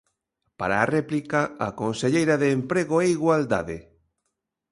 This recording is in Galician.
Para a réplica, a conselleira de Emprego e Igualdade.